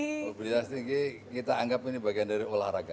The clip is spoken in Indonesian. mobilitas tinggi kita anggap ini bagian dari olahraga